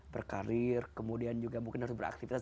berkarir kemudian juga mungkin harus beraktivitas